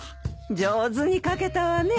上手に書けたわね。